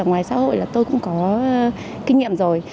ở ngoài xã hội là tôi cũng có kinh nghiệm rồi